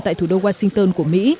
tại thủ đô washington của mỹ